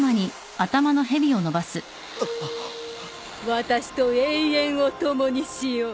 私と永遠を共にしよう。